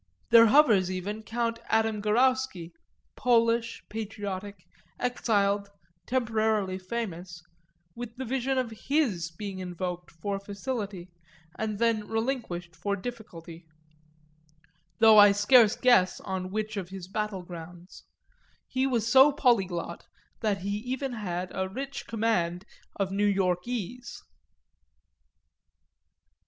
There hovers even Count Adam Gurowski, Polish, patriotic, exiled, temporarily famous, with the vision of his being invoked for facility and then relinquished for difficulty; though I scarce guess on which of his battle grounds he was so polyglot that he even had a rich command of New Yorkese.